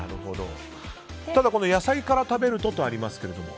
ただ、野菜から食べるととありますが。